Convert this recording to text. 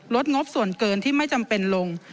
งบส่วนเกินที่ไม่จำเป็นลง